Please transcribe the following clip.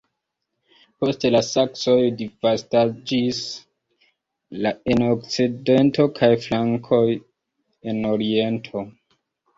Poste la Saksoj disvastiĝis en okcidento kaj la Frankoj en oriento.